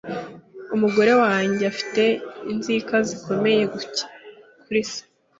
Umugore wanjye afite inzika zikomeye kuri se.